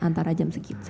antara jam segitu